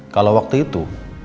kalau waktu itu